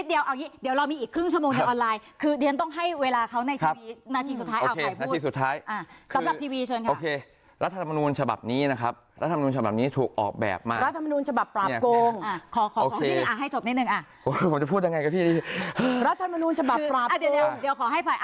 เดี๋ยวเรามีอีกครึ่งชั่วโมงในออนไลน์คือเดี๋ยวต้องให้เวลาเขาในทีวีสุดท้าย